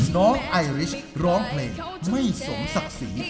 น้องไอริชร้องเพลงไม่สมศักดิ์ศรี